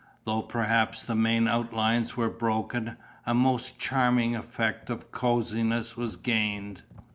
Though perhaps the main outlines were broken, a most charming effect of cosiness was gained.